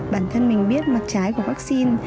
bản thân mình biết mặt trái của vaccine